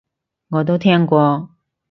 我都聽過